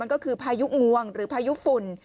ก็คือพายุงวงหรือพายุฝุ่น